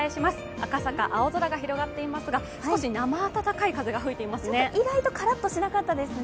赤坂、青空が広がっていますが少し生温かい風が吹いていますね。